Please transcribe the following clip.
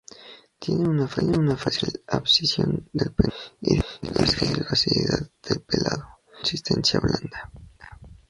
Tienen una fácil abscisión del pedúnculo y difícil facilidad de pelado, de consistencia blanda.